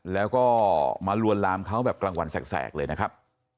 แล้วก็มาลวนลามเขาแบบกลางวันแสกเลยนะครับ